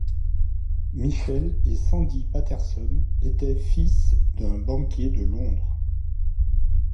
Michel et Sandy Patterson étaient fils d’un banquier de Londres.